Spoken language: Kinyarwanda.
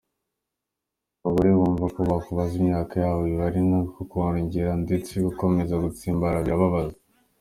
Abagore bumva ko kubabaza imyaka yabo biba ari nko kurengera ndetse gukomeza gutsimbarara birababaza.